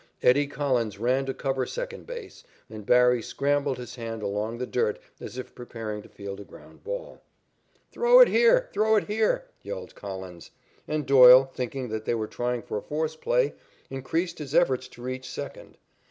"Eddie" Collins ran to cover second base, and Barry scrabbled his hand along the dirt as if preparing to field a ground ball. "Throw it here! Throw it here!" yelled Collins, and Doyle, thinking that they were trying for a force play, increased his efforts to reach second.